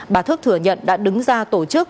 bà thức thừa nhận đã đứng ra tổ chức